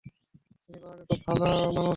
নিজের বাবাকে খুব ভালোমানুষ ভাবো তুমি।